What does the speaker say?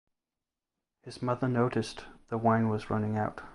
His mother noticed the wine was running out.